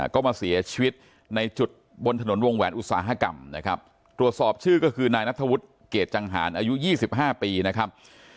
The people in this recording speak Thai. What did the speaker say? ก็มาเสียชีวิตในจุดบนถนนวงแหวนอุตสาหกรรมนะครับตรวจสอบชื่อก็คือนายนัทธวุฒิเกรดจังหารอายุ๒๕ปีนะครับ